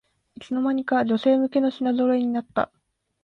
いつの間にか女性向けの品ぞろえになった